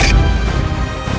mereka mencari mati